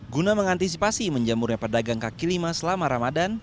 guna mengantisipasi menjamurnya pedagang kaki lima selama ramadan